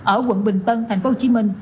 ở quận bình tân tp hcm